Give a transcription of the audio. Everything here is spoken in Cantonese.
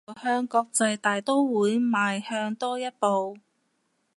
又向國際大刀會邁向多一步